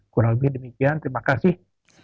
kurang lebih demikian terima kasih